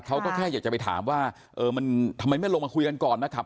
เขาก็แค่อยากจะไปถามว่าเออมันทำไมไม่ลงมาคุยกันก่อนนะครับ